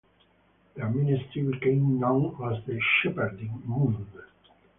Their ministry became known as the Shepherding Movement.